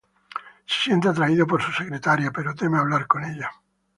Se siente atraído por su secretaria pero teme hablar con ella.